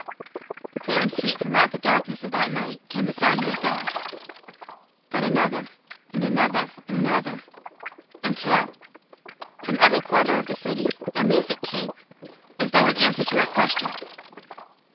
Clear and sweet from out the darkness of the night came the sound of a bell. Then another, and another, and another, until, from every quarter of the city, their music came, as though in answer to her question.